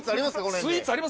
スイーツあります？